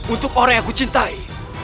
untuk orang yang ku cintai